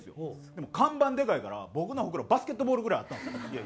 でも看板でかいから僕のホクロバスケットボールぐらいあったんですよ。